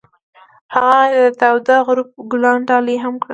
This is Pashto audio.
هغه هغې ته د تاوده غروب ګلان ډالۍ هم کړل.